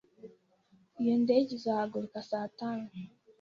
Iyo ndege izahaguruka saa tanu.